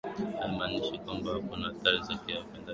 haimaanishi kwamba hakuna athari za kiafya ndani ya miongozo